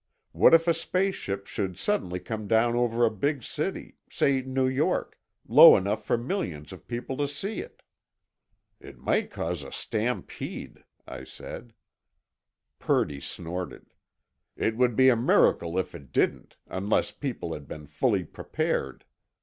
What if a space ship should suddenly come down over a big city—say New York—low enough for millions of people to see it?" "it might cause a stampede," I said, Purdy snorted. "it would be a miracle if it didn't, unless people had been fully prepared.